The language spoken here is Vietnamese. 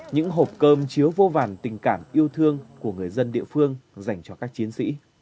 những hộp cơm chiếu vô vàn tình cảm yêu thương của người dân địa phương dành cho các chiến sĩ